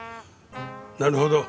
なるほど。